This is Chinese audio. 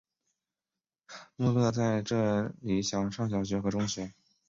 穆勒在这里上小学和中学。